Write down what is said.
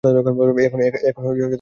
এখন আয়তন কমেছে।